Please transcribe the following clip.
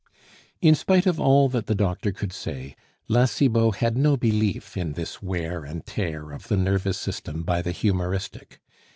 In spite of all that the doctor could say, La Cibot had no belief in this wear and tear of the nervous system by the humoristic.